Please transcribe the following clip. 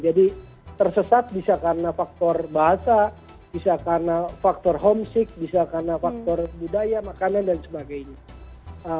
jadi tersesat bisa karena faktor bahasa bisa karena faktor homesick bisa karena faktor budaya makanan dan sebagainya